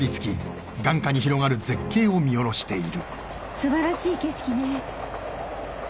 すばらしい景色ね。